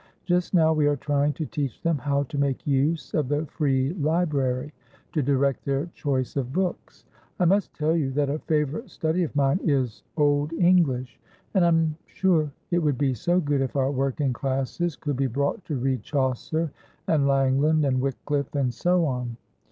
Just now we are trying to teach them how to make use of the free library, to direct their choice of books. I must tell you that a favourite study of mine is Old English, and I'm sure it would be so good if our working classes could be brought to read Chaucer and Langland and Wycliffe and so on.